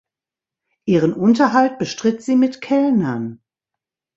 Ihren Unterhalt bestritt sie mit Kellnern.